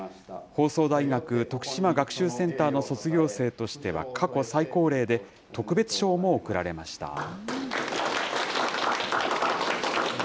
放送大学徳島学習センターの卒業生としては過去最高齢で、特別賞も贈られました。